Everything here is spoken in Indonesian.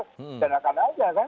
pidanakan saja kan